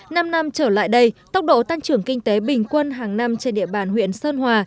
năm năm trở lại đây tốc độ tăng trưởng kinh tế bình quân hàng năm trên địa bàn huyện sơn hòa